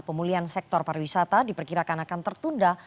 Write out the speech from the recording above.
pemulihan sektor pariwisata diperkirakan akan tertunda